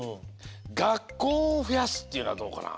がっこうをふやすっていうのはどうかな？